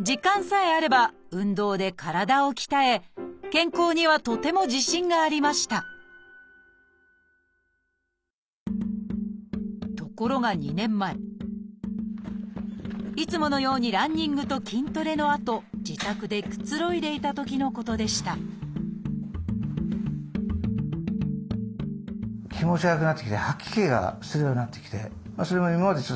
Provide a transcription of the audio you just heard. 時間さえあれば運動で体を鍛え健康にはとても自信がありましたところが２年前いつものようにランニングと筋トレのあと自宅でくつろいでいたときのことでしたマーライオンみたいにぶわっとぐわっと。